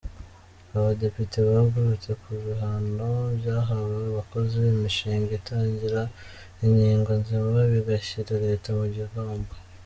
Abadepite bagarutse ku bihano byahawe abakoze imishinga itagira inyigo nzima bigashyira leta mu gihombo.